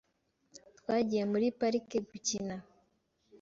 Twagiye muri parike gukina .